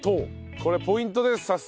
これポイントです早速。